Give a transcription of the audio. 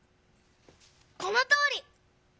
このとおり！